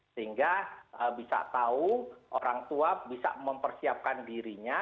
sehingga bisa tahu orang tua bisa mempersiapkan dirinya